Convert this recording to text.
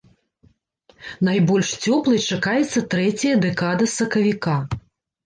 Найбольш цёплай чакаецца трэцяя дэкада сакавіка.